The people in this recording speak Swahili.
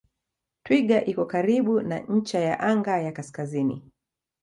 Twiga iko karibu na ncha ya anga ya kaskazini.